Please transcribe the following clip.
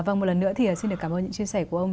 vâng một lần nữa thì xin được cảm ơn những chia sẻ của ông